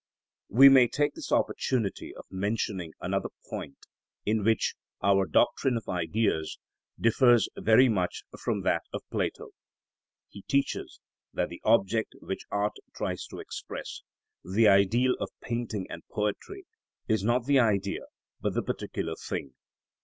We may take this opportunity of mentioning another point in which our doctrine of Ideas differs very much from that of Plato. He teaches (De Rep., x., p. 288) that the object which art tries to express, the ideal of painting and poetry, is not the Idea but the particular thing.